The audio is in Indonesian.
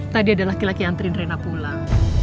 tadi ada laki laki antrian rena pulang